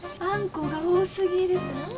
あんこが多すぎる。